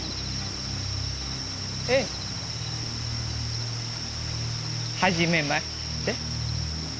ええはじめまして。